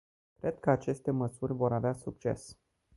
Cred că aceste măsuri vor avea succes.